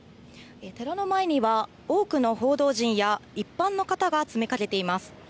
寺の前には多くの報道陣や一般の方が詰めかけています。